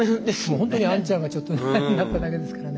ほんとにあんちゃんがちょっとなっただけですからね。